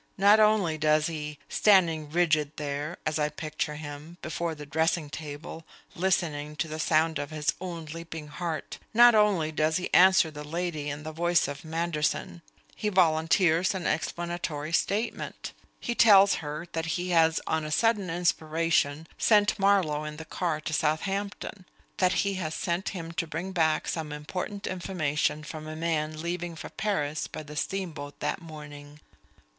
Not only does he standing rigid there, as I picture him, before the dressing table, listening to the sound of his own leaping heart not only does he answer the lady in the voice of Manderson; he volunteers an explanatory statement. He tells her that he has, on a sudden inspiration, sent Marlowe in the car to Southampton; that he has sent him to bring back some important information from a man leaving for Paris by the steamboat that morning.